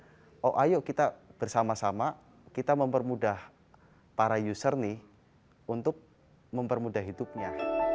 kita oh ayo kita bersama sama kita mempermudah para user nih untuk mempermudah hidupnya